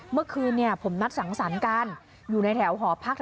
เมื่อคืนผมนัดสังสรรค์กันอยู่ในแถวหอพัก